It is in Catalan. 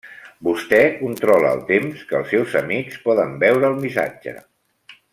Vostè controla el temps que els seus amics poden veure el missatge.